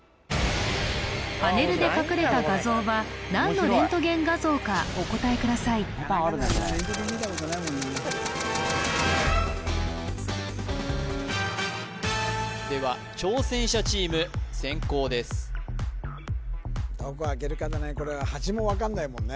パネルで隠れた画像は何のレントゲン画像がお答えくださいでは挑戦者チーム先攻ですどこ開けるかだねこれは端も分かんないもんね